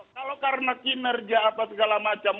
kalau karena kinerja apa segala macam